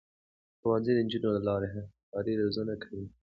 ښوونځی د نجونو له لارې همکاري روزنه کوي.